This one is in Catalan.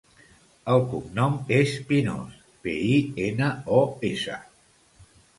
El cognom és Pinos: pe, i, ena, o, essa.